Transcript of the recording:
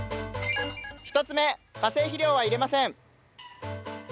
１つ目化成肥料は入れません。